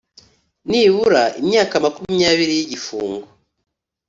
nibura imyaka makumyabiri y igifungo.